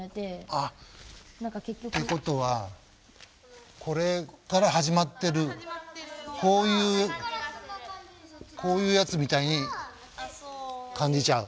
あってことはこれから始まってるこういうこういうやつみたいに感じちゃう？